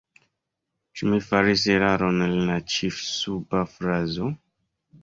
Ĉu mi faris eraron en la ĉi suba frazo?